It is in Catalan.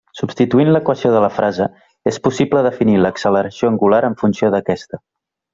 Substituint l'equació de la fase és possible definir l'acceleració angular en funció d'aquesta.